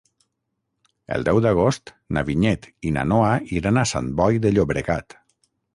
El deu d'agost na Vinyet i na Noa iran a Sant Boi de Llobregat.